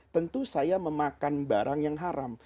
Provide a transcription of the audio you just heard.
tentu saya memakan barang yang haram